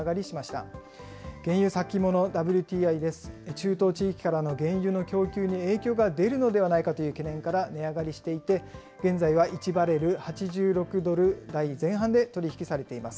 中東地域からの原油の供給に影響が出るのではないかという懸念から値上がりしていて、現在は１バレル８６ドル台前半で取り引きされています。